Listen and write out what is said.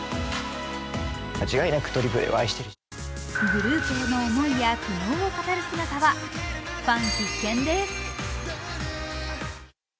グループへの思いや苦悩を語る姿はファン必見です。